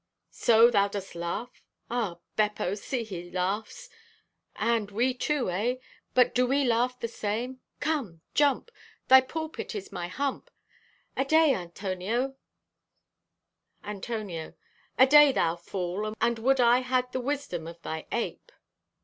"So, thou dost laugh? Ah, Beppo, see, he laughs! And we too, eh? But do we laugh the same? Come, jump! Thy pulpit is my hump. Aday, Antonio!" (Antonio) "Aday, thou fool, and would I had the wisdom of thy ape."